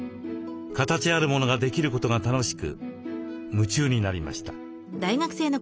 形あるものができることが楽しく夢中になりました。